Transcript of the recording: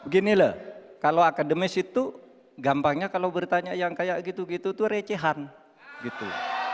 gini loh kalau akademis itu gampangnya kalau bertanya yang kayak gitu gitu tuh recehan gitu